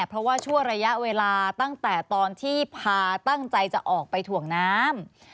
เพราะว่าชั่วระยะเวลาตั้งแต่ตอนที่พาตั้งใจจะออกไปถ่วงน้ำ